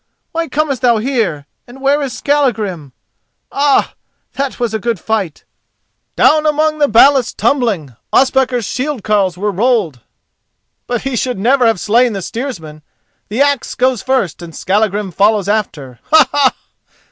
Why comest thou here and where is Skallagrim? Ah! that was a good fight— Down among the ballast tumbling Ospakar's shield carles were rolled. But he should never have slain the steersman. The axe goes first and Skallagrim follows after. Ha, ha!